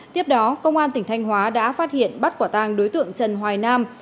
tiếp đó công an tỉnh thanh hóa đã phát hiện bắt quả tàng đối tượng trần hoài nam